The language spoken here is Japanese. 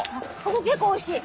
ここ結構おいしい！